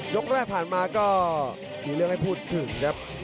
แรกผ่านมาก็มีเรื่องให้พูดถึงครับ